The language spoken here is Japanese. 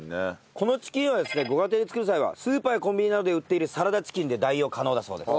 このチキンはですねご家庭で作る際はスーパーやコンビニなどで売っているサラダチキンで代用可能だそうです。